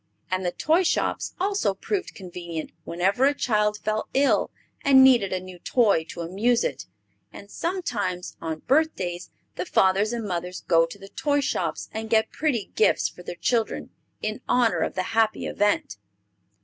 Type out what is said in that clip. And the toy shops also proved convenient whenever a child fell ill, and needed a new toy to amuse it; and sometimes, on birthdays, the fathers and mothers go to the toy shops and get pretty gifts for their children in honor of the happy event.